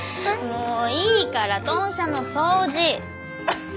もういいから豚舎の掃除！